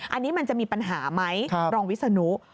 อันนี้มันจะมีปัญหาไหมรองวิศนุ